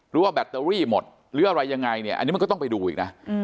แบตเตอรี่หมดหรืออะไรยังไงเนี่ยอันนี้มันก็ต้องไปดูอีกนะ